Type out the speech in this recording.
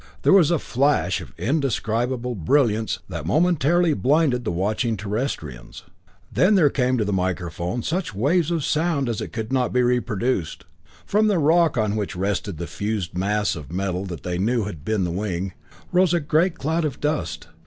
There was a flash of indescribable brilliance that momentarily blinded the watching Terrestrians; then there came to the microphone such waves of sound as it could not reproduce. From the rock on which rested the fused mass of metal that they knew had been the wing, rose a great cloud of dust.